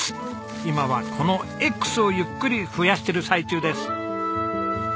今はこのＸをゆっくり増やしている最中です。